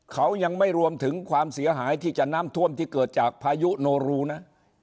เขายังไม่รวมถึงความเสียหายที่จะน้ำท่วมที่เกิดจากพายุโนรูนะ